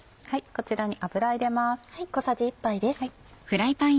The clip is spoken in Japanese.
こちらに油を入れます。